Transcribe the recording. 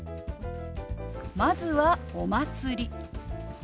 まずは「お祭り」。